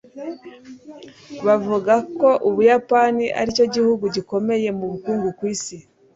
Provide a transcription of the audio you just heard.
bavuga ko ubuyapani aricyo gihugu gikomeye mu bukungu ku isi